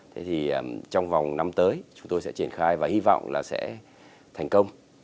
thế thì trong vòng năm tới chúng tôi sẽ triển khai và hy vọng là sẽ thành công